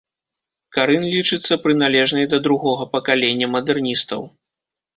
Карын лічыцца прыналежнай да другога пакалення мадэрністаў.